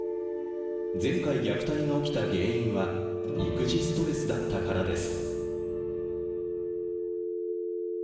前回虐待が起きた原因は育児ストレスだったからです。